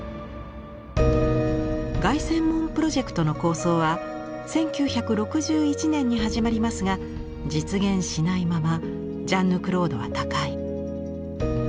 凱旋門プロジェクトの構想は１９６１年に始まりますが実現しないままジャンヌ＝クロードは他界。